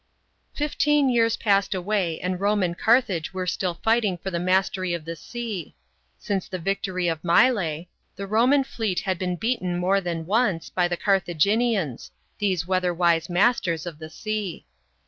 FIFTEEN years passed away and Rome and Car thage were still fighting for the mastery of the sea. Since the victory of Mylao, the Roman fleet had been beaten more than once, by the Carthaginians these weather .vise maste/s of the sea.